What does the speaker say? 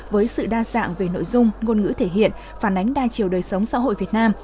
với sự đa dạng về nội dung ngôn ngữ thể hiện phản ánh đa chiều đời sống xã hội việt nam